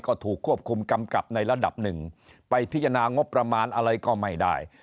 ก็ถูกควบคุมกำกับในระดับหนึ่งไปพิจารณางบประมาณอะไรก็ไม่ได้